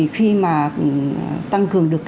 khi mà tăng cường được